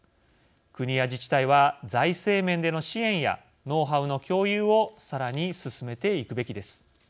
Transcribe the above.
国や自治体は財政面での支援やノウハウの共有をさらに進めていくべきです。